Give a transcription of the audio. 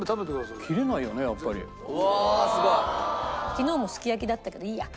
昨日もすき焼きだったけどいいや。